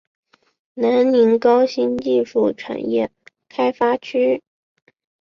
南宁高新技术产业开发区